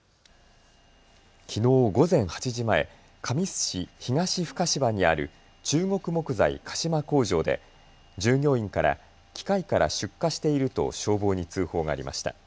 きのう午前８時前、神栖市東深芝にある中国木材鹿島工場で従業員から機械から出火していると消防に通報がありました。